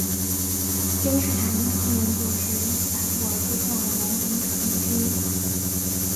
君士坦丁纪念柱是伊斯坦布尔最重要的罗马艺术品之一。